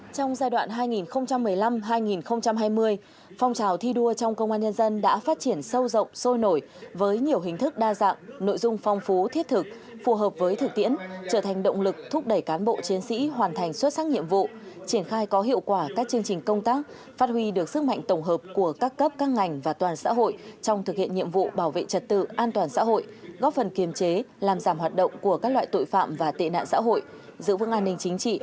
trong giai đoạn hai nghìn một mươi năm hai nghìn hai mươi phong trào thi đua trong công an nhân dân đã phát triển sâu rộng sôi nổi với nhiều hình thức đa dạng nội dung phong phú thiết thực phù hợp với thực tiễn trở thành động lực thúc đẩy cán bộ chiến sĩ hoàn thành xuất sắc nhiệm vụ triển khai có hiệu quả các chương trình công tác phát huy được sức mạnh tổng hợp của các cấp các ngành và toàn xã hội trong thực hiện nhiệm vụ bảo vệ trật tự an toàn xã hội góp phần kiềm chế làm giảm hoạt động của các loại tội phạm và tệ nạn xã hội giữ vững an ninh